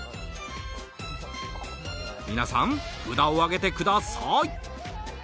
皆さん、札を上げてください。